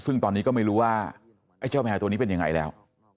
ซึ่งตอนนี้ก็ไม่รู้ว่าไอ้เจ้าแมวตัวนี้เป็นยังไงแล้ว